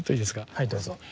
はいどうぞ。